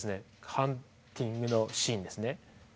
ハンティングのシーンですね。